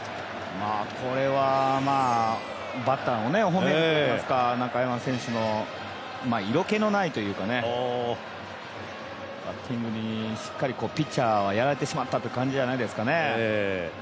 これはバッターの本音といいますか中山選手の色気のないというかね、バッティングにしっかりピッチャーはやられてしまったという感じじゃないですかね。